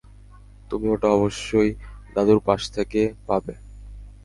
তুমি ওটা অবশ্যই দাদুর পাশ থেকে পাবে।